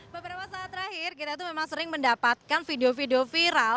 beberapa saat terakhir kita itu memang sering mendapatkan video video viral